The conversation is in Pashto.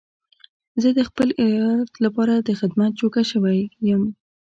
زه د خپل ايالت لپاره د خدمت جوګه شوی يم.